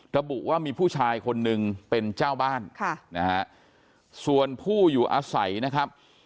ระบุว่ามีผู้ชายคนนึงเป็นเจ้าบ้านค่ะนะฮะส่วนผู้อยู่อาศัยนะครับ